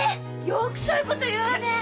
よくそういうこと言うわねえ！